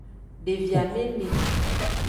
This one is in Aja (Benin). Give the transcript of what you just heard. Devi amene.